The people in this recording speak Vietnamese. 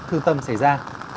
thư tâm xảy ra